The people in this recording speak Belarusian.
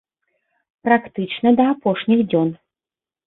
Практычна да апошніх дзён.